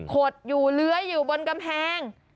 ขดอยู่เลื้อยอยู่บนกำแพง